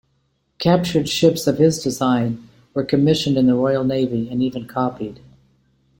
Captured ships of his design were commissioned in the Royal Navy and even copied.